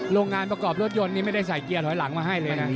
โรงงานประกอบรถยนต์นี่ไม่ได้ใส่เกียร์ถอยหลังมาให้เลยนะ